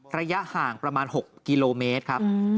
ระยะห่างประมาณ๖กิโลเมตรครับ